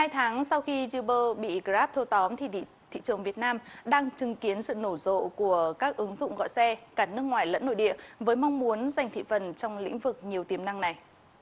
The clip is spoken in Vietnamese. hai tháng sau khi uber bị grab thâu tóm thì thị trường việt nam đang chứng kiến sự nổ rộ của các ứng dụng gọi xe cả nước ngoài lẫn nội địa với mong muốn giành thị phần trong lĩnh vực nhiều tiềm năng này